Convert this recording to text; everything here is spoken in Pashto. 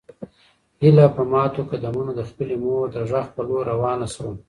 هیله په ماتو قدمونو د خپلې مور د غږ په لور روانه شوه.